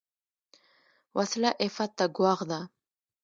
وسله عفت ته ګواښ ده